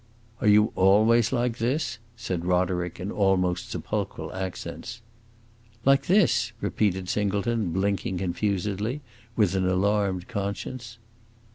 "Are you always like this?" said Roderick, in almost sepulchral accents. "Like this?" repeated Singleton, blinking confusedly, with an alarmed conscience.